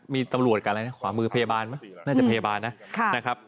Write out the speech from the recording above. มีตำรวจกันแล้วขอมือพยาบาลไหมน่าจะพยาบาลนะ